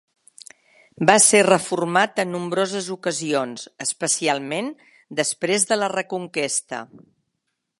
Va ser reformat en nombroses ocasions, especialment després de la Reconquesta.